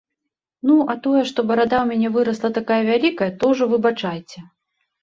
Ну, а тое, што барада ў мяне вырасла такая вялікая, то ўжо выбачайце!